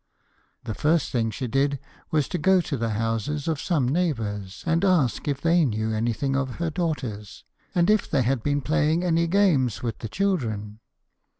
The first thing she did was to go to the houses of some neighbours, and ask if they knew anything of her daughters, and if they had been playing any games with the children.